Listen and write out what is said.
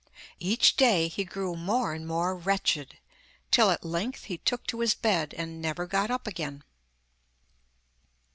Each day he grew more and more wretched, till at length he took to his bed and never got up again.